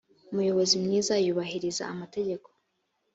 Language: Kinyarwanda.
umuyobozi mwiza yubahiriza amategeko